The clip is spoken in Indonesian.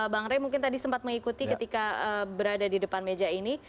bang ray mungkin tadi sempat mengikuti ketika berada di depan meja ini